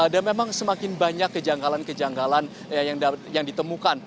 dan memang semakin banyak kejanggalan kejanggalan yang ditemukan